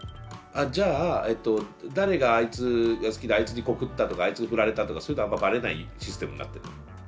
あじゃあ誰があいつが好きだあいつに告ったとかあいつに振られたとかそういうのはあんまバレないシステムになってるの？